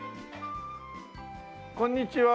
こんにちは。